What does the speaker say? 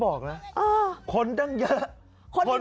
พรุ่งก็ต่อยหนูคนเดียวอ่ะทุกคน